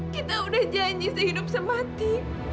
kita udah janji sehidup semati